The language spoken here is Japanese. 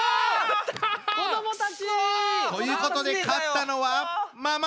子どもたち！ということで勝ったのはママタルト！